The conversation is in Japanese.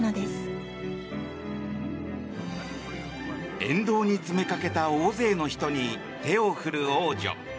沿道に詰めかけた大勢の人に手を振る王女。